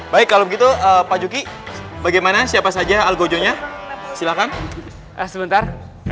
baik kalau begitu pak juki bagaimana siapa saja algojonya silakan sebentar